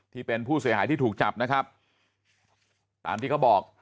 ที่เป็นผู้เสียหายที่ถูกจับนะครับตามที่เขาบอก